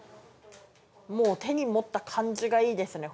もう手に持った感じがいいですね